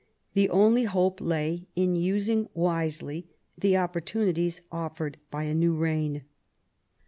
The only hope lay in using wisely the opportunities offered by a new reign.